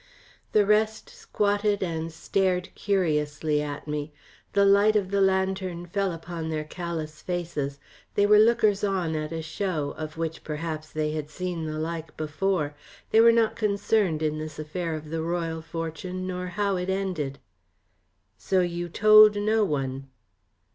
The rest squatted and stared curiously at me. The light of the lantern fell upon their callous faces, they were lookers on at a show, of which perhaps, they had seen the like before, they were not concerned in this affair of the Royal Fortune nor how it ended. "So you told no one."